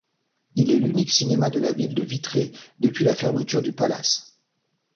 Il est l'unique cinéma de la ville de Vitré, depuis la fermeture du Palace.